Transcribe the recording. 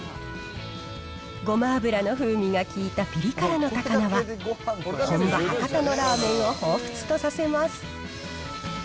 ごま油の風味が効いたピリ辛の高菜は、本場、博多のラーメンをほうふつとさせます。